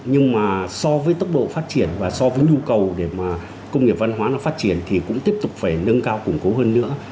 nhưng mà so với tốc độ phát triển và so với nhu cầu để mà công nghiệp văn hóa nó phát triển thì cũng tiếp tục phải nâng cao củng cố hơn nữa